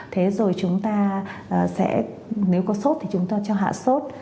thế rồi chúng ta sẽ nếu có sốt thì chúng tôi cho hạ sốt